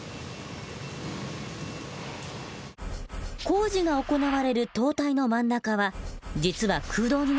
工事が行われる塔体の真ん中は実は空洞になっています。